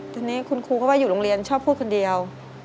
ทีนี้คุณครูก็ว่าอยู่โรงเรียนชอบพูดคนเดียว